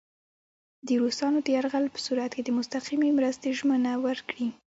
د روسانو د یرغل په صورت کې د مستقیمې مرستې ژمنه ورکړي.